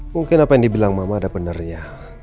mungkin apa yang dibilang mama ada benarnya